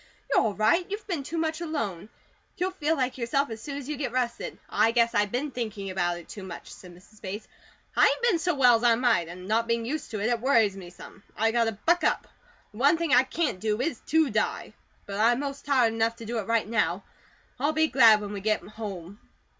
"You're all right. You've been too much alone. You'll feel like yourself as soon as you get rested." "I guess I been thinking about it too much," said Mrs. Bates. "I ain't been so well as I might, an' not being used to it, it worries me some. I got to buck up. The one thing I CAN'T do is to die; but I'm most tired enough to do it right now. I'll be glad when we get home."